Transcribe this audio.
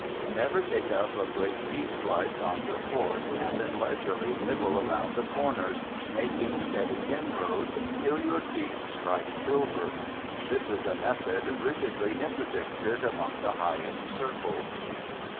Never take up a great meat slice on your fork, and then leisurely nibble around the corners, making steady inroads till your teeth strike silver. This is a method rigidly interdicted among the highest circles.